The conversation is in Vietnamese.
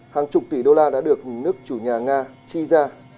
hàng chục tỷ đô la đã được nước chủ nhà nga chi ra